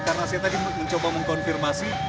karena saya tadi mencoba mengkonfirmasi